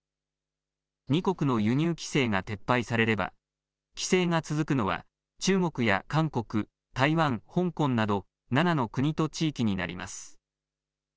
２国の輸入規制が撤廃されれば規制が続くのは中国や韓国台湾、香港など７の国と地域になります。